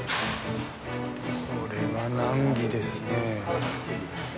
これは難儀ですね。